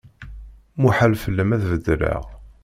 Muḥal fell-am ad beddleɣ.